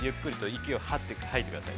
息を吸ってみてください。